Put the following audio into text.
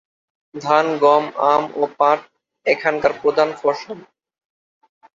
ধান, গম, আম ও পাট এখানকার প্রধান ফসল।